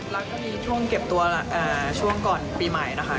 แล้วก็มีช่วงเก็บตัวช่วงก่อนปีใหม่นะคะ